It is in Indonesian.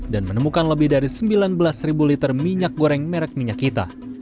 dan menemukan lebih dari sembilan belas liter minyak goreng merek minyak kita